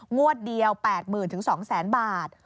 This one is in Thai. งวดเดียว๘๐๐๐๒๐๐๐๐บาท